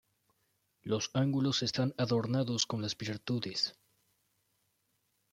Los ángulos están adornados con las virtudes.